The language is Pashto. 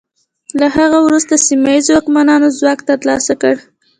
له هغه وروسته سیمه ییزو واکمنانو ځواک ترلاسه کړ.